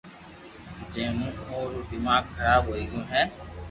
جو مون او رو دماغ خراب ھوئي گيو ھي